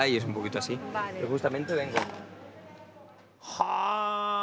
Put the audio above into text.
はあ！